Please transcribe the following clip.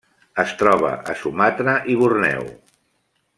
Es troba a Sumatra i Borneo.